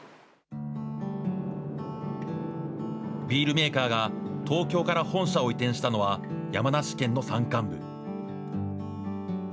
ビールメーカーが東京から本社を移転したのは、山梨県の山間部。